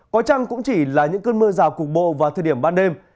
có chăng cũng chỉ là những cơn mưa rào cục bộ vào thời điểm ban đêm